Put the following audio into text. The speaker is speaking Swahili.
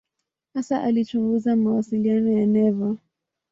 Hasa alichunguza mawasiliano ya neva.